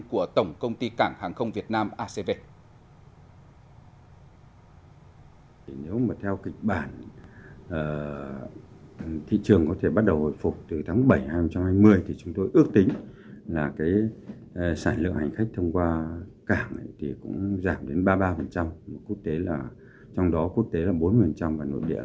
của tổng công ty cảng hàng không việt nam acv